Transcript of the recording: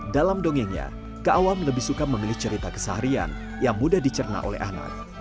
dalam dongengnya keawam lebih suka memilih cerita keseharian yang mudah dicerna oleh anak